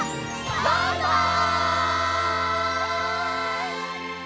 バイバイ！